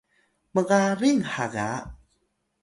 mgaring haga